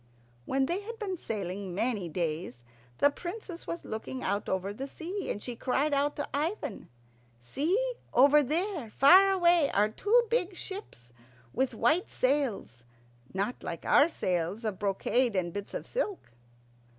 When they had been sailing many days, the Princess was looking out over the sea, and she cried out to Ivan, "See, over there, far away, are two big ships with white sails, not like our sails of brocade and bits of silk."